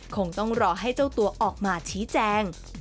คงต้องรอให้เจ้าตัวออกมาชี้แจง